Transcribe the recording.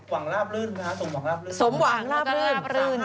ว่างลาบลื่นนะคะสมวังลาบลื่น